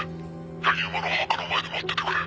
柳沼の墓の前で待っててくれ」